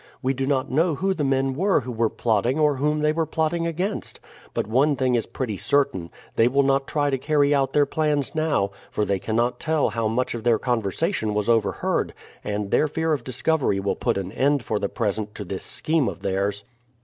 We do not know who the men were who were plotting or whom they were plotting against. But one thing is pretty certain, they will not try to carry out their plans now, for they cannot tell how much of their conversation was overheard, and their fear of discovery will put an end for the present to this scheme of theirs."